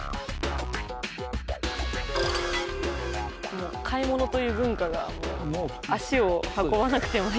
もう買い物という文化が足を運ばなくてもできる。